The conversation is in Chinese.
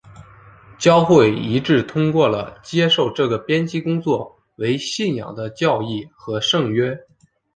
教会一致通过了接受这个编辑工作为信仰的教义和圣约。